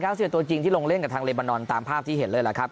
เสียตัวจริงที่ลงเล่นกับทางเลบานอนตามภาพที่เห็นเลยล่ะครับ